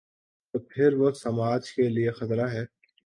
تو پھر وہ سماج کے لیے خطرہ ہے۔